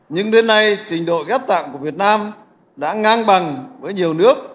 nhưng đến nay trình độ ghép tạng của việt nam đã ngang bằng với nhiều nước